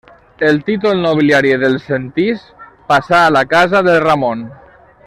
El títol nobiliari dels Sentís passà a la casa de Ramon.